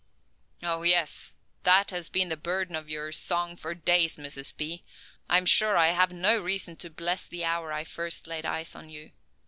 "Oh, yes, that has been the burden of your song for days, Mrs. B. I'm sure I have no reason to bless the hour I first laid eyes on you.